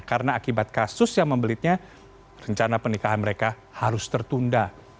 karena akibat kasus yang membelitnya rencana pernikahan mereka harus tertunda